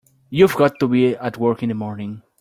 You've got to be at work in the morning.